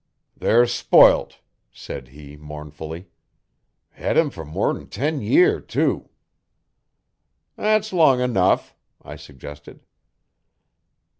'They're sp'ilt,' said he mournfully. 'Hed 'em fer more'n ten year, too.' 'That's long enough,' I suggested.